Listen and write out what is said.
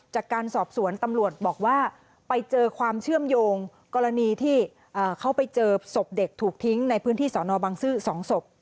จากการสอบสวนตำรวจบอกว่าไปเจอความเชื่อมโยงกรณีที่เขาไปเจอศพเด็กถูกทิ้งในพื้นที่สอนอบังซื้อ๒ศพ